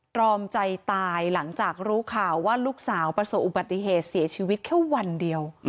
ตรอมใจตายหลังจากรู้ข่าวว่าลูกสาวประสบอุบัติเหตุเสียชีวิตแค่วันเดียว